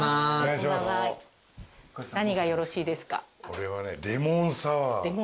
俺はねレモンサワー。